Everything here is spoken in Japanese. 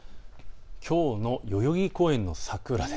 きょうの代々木公園の桜です。